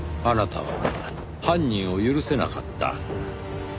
あなたは犯人を許せなかった。